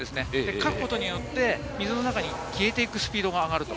かくことによって、水の中に消えていくスピードが上がると。